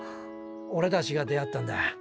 オレたちが出会ったんだ。